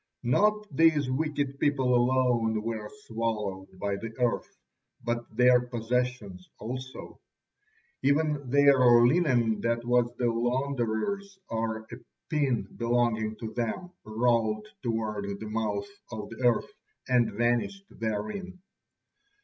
Not these wicked people alone were swallowed by the earth, but their possessions also. Even their linen that was the launderer's or a pin belonging to them rolled toward the mouth of the earth and vanished therein.